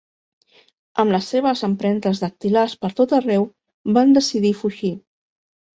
Amb les seves empremtes dactilars per tot arreu, van decidir fugir.